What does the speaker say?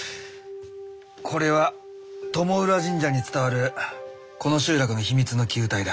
これは友裡神社に伝わるこの集落の秘密の球体だ。